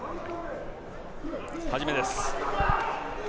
始めです。